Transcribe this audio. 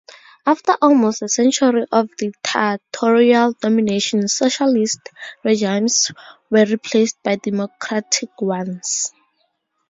After almost a century of dictatorial domination, socialist regimes were replaced by democratic ones.